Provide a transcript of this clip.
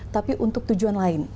tapi untuk tujuan lain